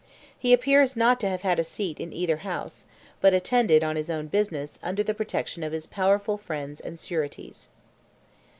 He appears not to have had a seat in either House; but attended, on his own business, under the protection of his powerful friends and sureties.